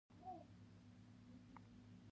حضرت حفصه د رسول الله بي بي وه.